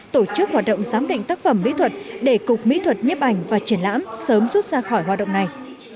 tổ chức hoạt động giám định tác phẩm mỹ thuật để cục mỹ thuật nhếp ảnh và triển lãm sớm rút ra khỏi hoạt động này